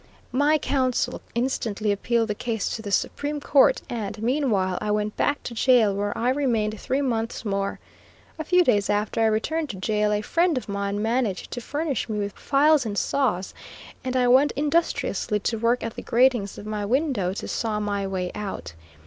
My counsel instantly appealed the case to the Supreme Court, and, meanwhile I went back to jail where I remained three months more. A few days after I returned to jail a friend of mine managed to furnish me with files and saws, and I went industriously to work at the gratings of my window to saw my way out.